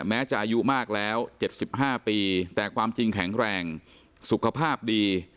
แม้จะอายุมากแล้ว๗๕ปีแต่ความจริงแข็งแรงสุขภาพดี